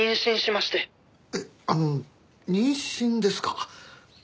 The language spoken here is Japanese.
えっあの妊娠ですか？